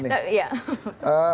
tidak ada jawab